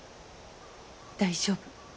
大丈夫。